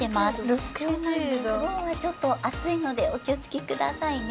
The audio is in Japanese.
ろうはちょっとあついのでおきをつけくださいね。